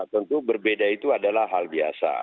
tentu berbeda itu adalah hal biasa